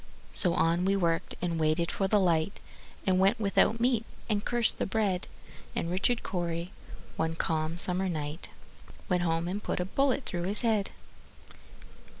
So on we worked, and waited for the light, And went without the meat, and cursed the bread; And Richard Cory, one calm summer night, Went home and put a bullet through his head.